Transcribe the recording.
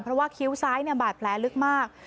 เพราะว่าคิ้วซ้ายบาดแผลลึกมาก